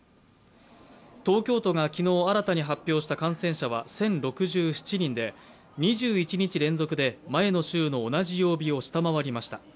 東京都が昨日新たに発表した感染者は１０６７人で２１日連続で前の週の同じ曜日を下回りました。